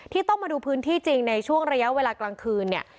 ต้องมาดูพื้นที่จริงในช่วงระยะเวลากลางคืนเนี่ย